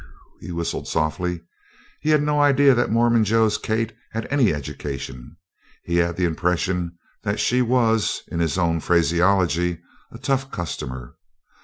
"Whew!" he whistled softly. He had no idea that Mormon Joe's Kate had any education. He had the impression that she was, in his own phraseology, "a tough customer."